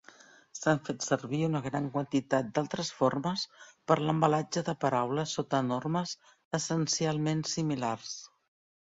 S'han fet servir una gran quantitat d'altres formes per l'embalatge de paraules sota normes essencialment similars.